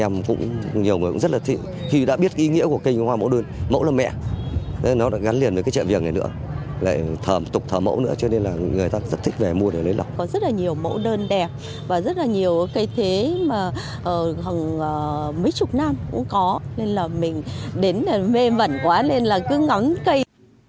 mấy chục năm cũng có nên là mình đến là mê mẩn quá nên là cứ ngắn cây